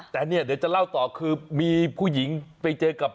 แต่เนี่ยเดี๋ยวจะเล่าต่อคือมีผู้หญิงไปเจอกับ